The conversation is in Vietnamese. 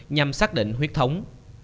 nhằm xác định huyết thống